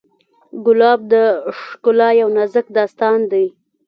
ګلاب د ښکلا یو نازک داستان دی.